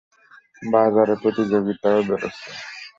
বাজারে প্রতিযোগীতাও বেড়েছে!